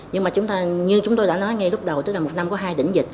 nhưng mà như chúng tôi đã nói ngay lúc đầu tức là một năm có hai đỉnh dịch